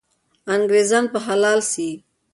انګریزان به حلال سي.